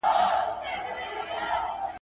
• بابا گيلې کوي، ادې پېرې کوي.